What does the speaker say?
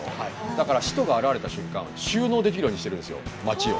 だから「使徒」が現れた瞬間収納できるようにしてるんですよ街を。